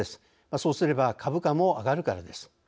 そうすれば株価も上がるからです。